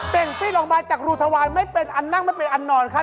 เป็นปลิ้นออกมาจากรูทวารไม่เป็นอันนั่งไม่เป็นอันนอนครับ